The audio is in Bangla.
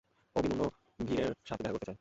অভিমন্যু ভীরের সাথে দেখা করতে চাই।